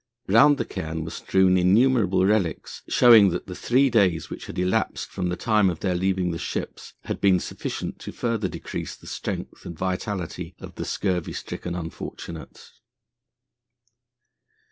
Round the cairn were strewn innumerable relics, showing that the three days which had elapsed from the time of their leaving the ships had been sufficient to further decrease the strength and vitality of the scurvy stricken unfortunates.